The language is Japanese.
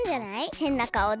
へんなかおで。